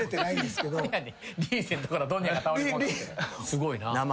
すごいな。